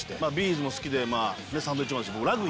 ’ｚも好きでまあサンドウィッチマンもそうですよ